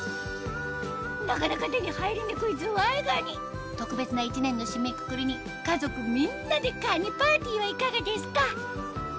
なかなか手に入りにくいずわいがに特別な１年の締めくくりに家族みんなでかにパーティーはいかがですか？